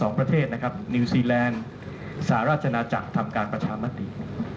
ประเทศนะครับนิวซีแลนด์สหราชนาจักรทำการประชามติ